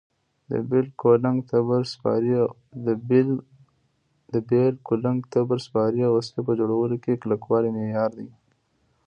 د بېل، کولنګ، تبر، سپارې او وسلې په جوړولو کې کلکوالی معیار دی.